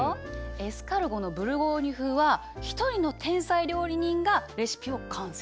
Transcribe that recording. エスカルゴのブルゴーニュ風は一人の天才料理人がレシピを完成させたの。